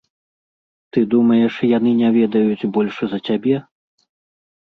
Ты думаеш, яны не ведаюць больш за цябе?